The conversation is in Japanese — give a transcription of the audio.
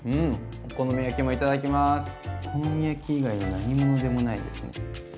お好み焼き以外の何物でもないですね。